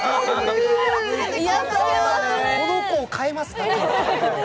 この子を買えますか？